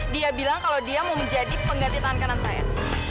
dia bilang kalau dia mau menjadi pengganti tahan kanan saya